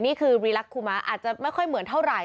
นี่คือรีลักษุมะอาจจะไม่ค่อยเหมือนเท่าไหร